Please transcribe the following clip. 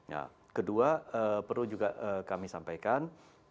nah kedua perlu juga kami sampaikan